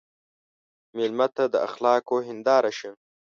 مېلمه ته د اخلاقو هنداره شه.